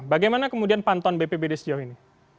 bagaimana kemudian pantuan bppbd sejauh ini